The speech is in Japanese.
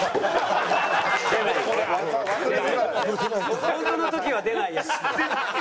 ホントの時は出ないやつ。